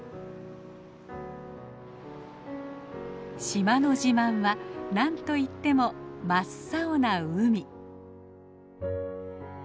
島の自慢は何といっても真っ青な海！